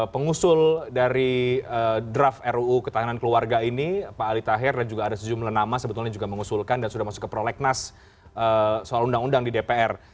pengusul dari draft ruu ketahanan keluarga ini pak ali tahir dan juga ada sejumlah nama sebetulnya juga mengusulkan dan sudah masuk ke prolegnas soal undang undang di dpr